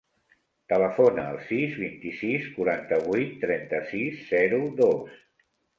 Telefona al sis, vint-i-sis, quaranta-vuit, trenta-sis, zero, dos.